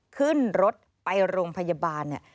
ขึ้นรถไปโรงพยาบาล